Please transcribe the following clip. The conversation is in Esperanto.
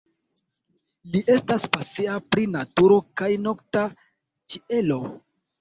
Li estas pasia pri naturo kaj nokta ĉielo.